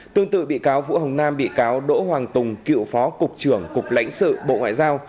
tương tự bị cáo vũ hồng nam bị cáo đỗ hoàng tùng cựu phó cục trưởng cục lãnh sự bộ ngoại giao